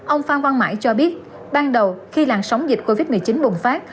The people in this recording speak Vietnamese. ông phan văn mãi cho biết ban đầu khi làn sóng dịch covid một mươi chín bùng phát